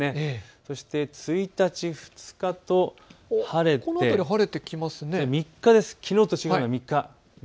そして１日、２日と晴れて３日、きのうと違うのは３日です。